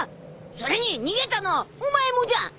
それに逃げたのはお前もじゃん！